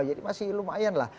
jadi masih lumayan lah